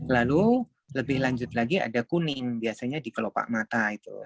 lalu lebih lanjut lagi ada kuning biasanya di kelopak mata itu